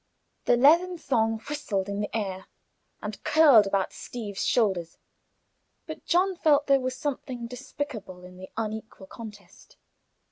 The leathern thong whistled in the air, and curled about Steeve's shoulders; but John felt there was something despicable in the unequal contest.